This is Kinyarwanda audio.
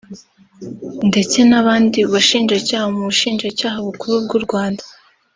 ndetse n’abandi bashinjacyaha mu Bushinjacyaha Bukuru bw’u Rwanda